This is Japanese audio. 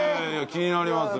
気になりますね。